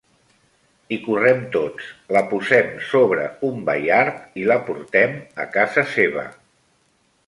Hi correm tots, la posem sobre un baiard i la portem a casa seva…